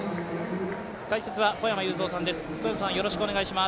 解説は小山裕三さんです。